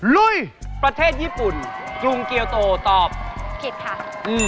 ลุยประเทศญี่ปุ่นกรุงเกียวโตตอบผิดค่ะ